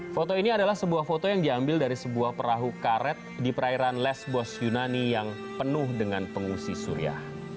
foto ini adalah sebuah foto yang diambil dari sebuah perahu karet di perairan lesbos yunani yang penuh dengan pengungsi surya